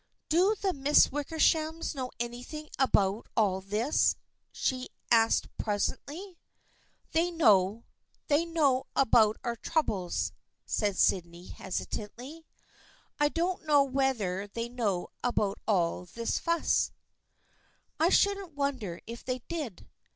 " Do the Miss Wickershams know anything about all this? " she asked presently. " They know — they know about our troubles/ ' said Sydney, hesitatingly. " I don't know whether they know about all this fuss." " I shouldn't wonder if they did.